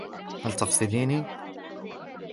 هل تقصديني ؟